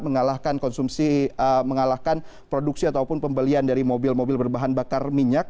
mengalahkan konsumsi mengalahkan produksi ataupun pembelian dari mobil mobil berbahan bakar minyak